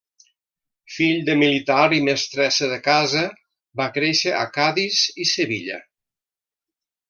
Fill de militar i mestressa de casa, va créixer a Cadis i Sevilla.